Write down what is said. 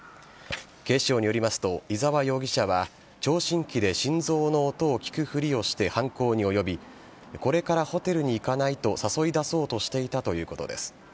警視庁によりますと伊沢容疑者は聴診器で心臓の音を聞くふりをして犯行に及びこれからホテルに行かない？と誘い出そうとしていたということです。